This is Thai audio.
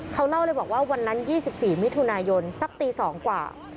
เขาเล่าเลยบอกว่าวันนั้น๒๔มิถุนายนสักตี๒กว่า